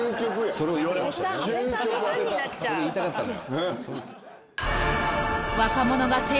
それ言いたかったのよ。